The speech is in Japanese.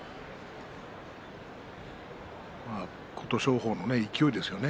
まあ琴勝峰の勢いですね。